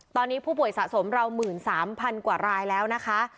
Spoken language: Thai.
ตอนนี้ผู้ป่วยสะสมเรา๑๓๐๐๐กว่ารายแล้วนะคะ